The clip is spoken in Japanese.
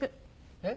えっ？